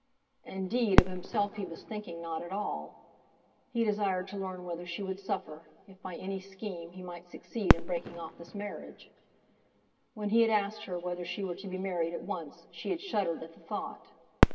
Indeed, of himself he was thinking not at all. He desired to learn whether she would suffer, if by any scheme he might succeed in breaking off this marriage. When he had asked her whether she were to be married at once, she had shuddered at the thought.